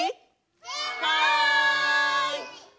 はい！